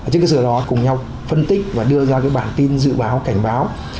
trước khi đó cùng nhau phân tích và đưa ra bản tin dự báo cảnh báo